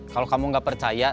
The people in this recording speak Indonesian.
kalau kamu nggak percaya